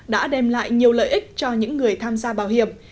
đã đem lại nhiều lợi ích cho những người tham gia bảo hiểm